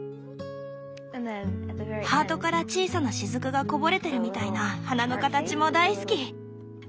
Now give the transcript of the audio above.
ハートから小さな滴がこぼれてるみたいな花の形も大好き。